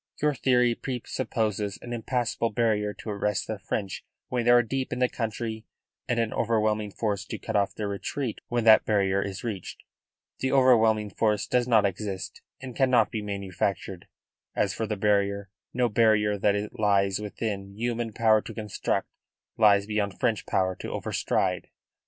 Your theory presupposes an impassable barrier to arrest the French when they are deep in the country and an overwhelming force to cut off their retreat when that barrier is reached. The overwhelming force does not exist and cannot be manufactured; as for the barrier, no barrier that it lies within human power to construct lies beyond French power to over stride."